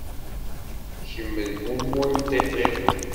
Kem d mummu n tiṭ-iw.